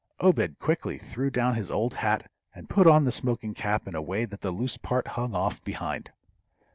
Obed quickly threw down his old hat, and put on the smoking cap in a way that the loose part hung off behind.